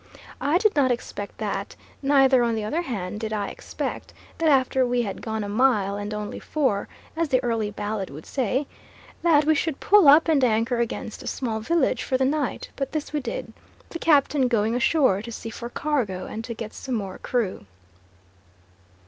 I did not expect that; neither, on the other hand, did I expect that after we had gone a mile and only four, as the early ballad would say, that we should pull up and anchor against a small village for the night; but this we did, the captain going ashore to see for cargo, and to get some more crew.